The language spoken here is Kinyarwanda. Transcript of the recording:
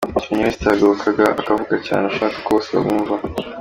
Kanye West yahagurukaga akavuga cyane ashaka ko bose bamwumva.